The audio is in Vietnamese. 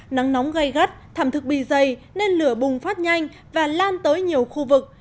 nắng nóng gây gắt thảm thực bì dày nên lửa bùng phát nhanh và lan tới nhiều khu vực